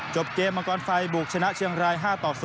จบเกมมังกรไฟบุกชนะเชียงราย๕ต่อ๐